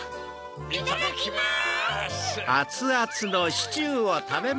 いただきます！